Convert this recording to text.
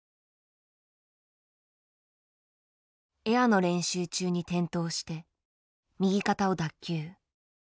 エアの練習中に転倒して右肩を脱臼。